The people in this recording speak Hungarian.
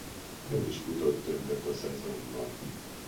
Nem is futott többet a szezonban.